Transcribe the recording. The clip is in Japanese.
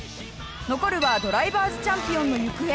残るはドライバーズチャンピオンの行方。